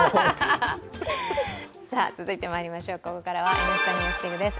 続いてここからは「Ｎスタ・ＮＥＷＳＤＩＧ」です。